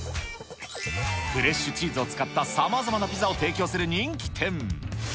フレッシュチーズを使ったさまざまなピザを提供する人気店。